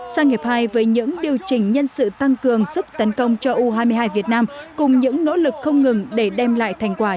sang hiệp hai với những điều chỉnh nhân sự tăng cường giúp tấn công cho u hai mươi hai việt nam cùng những nỗ lực không ngừng để đem lại thành quả